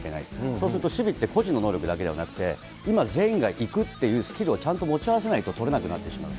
そうすると守備って個人の能力だけではなくて、今、全員が行くっていうスキルをちゃんと持ち合わせないと、取れなくなってしまう。